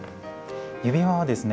指輪はですね